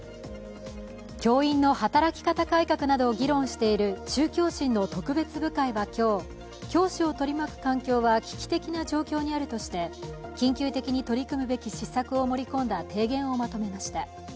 教員の働き方改革などを議論している中教審の特別部会は今日、教師を取り巻く環境は危機的な状況にあるとして緊急的に取り組むべき施策を盛り込んだ提言をまとました。